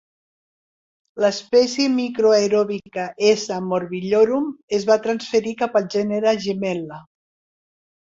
L'espècie microaeròbica S morbillorum es va transferir cap al gènere Gemella.